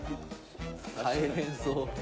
大変そう。